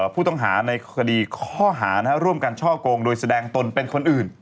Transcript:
ผู้ต้องหาในคดีข้อหาร่วมกันช่อกงโดยแสดงตนเป็นคนอื่น